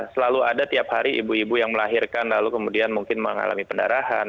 selalu ada tiap hari ibu ibu yang melahirkan lalu kemudian mungkin mengalami pendarahan